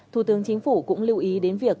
thủ tướng chính phủ cũng lưu ý đến việc